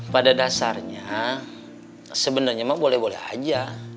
pada dasarnya sebenarnya memang boleh boleh aja